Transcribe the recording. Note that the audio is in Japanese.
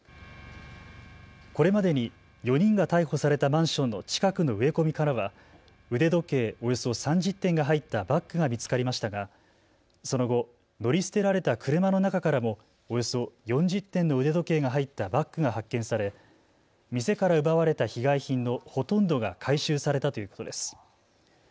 これまでに４人が逮捕されたマンションの近くの植え込みからは腕時計およそ３０点が入ったバッグが見つかりましたがその後、乗り捨てられた車の中からもおよそ４０点の腕時計が入ったバッグが発見され店から奪われた被害品のほとんどが回収されたということです。